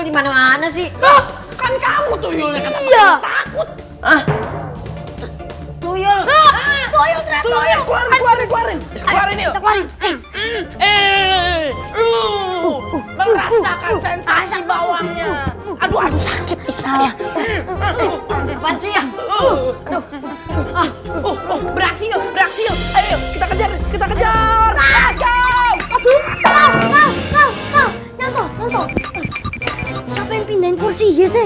di mana mana sih kamu tuh iya takut